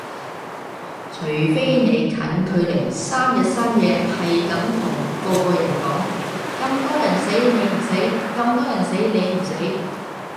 除非你近距離三日三夜係咁同個個人講：咁多人死你唔死，咁多人死你唔死